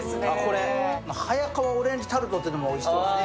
早川オレンジタルトっていうのもおいしそうですね。